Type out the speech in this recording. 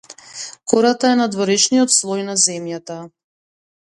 Кората е надворешниот слој на земјата.